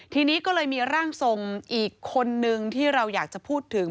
ทีนี้ก็เลยมีร่างทรงอีกคนนึงที่เราอยากจะพูดถึง